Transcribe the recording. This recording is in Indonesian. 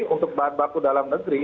untuk bahan baku dalam negeri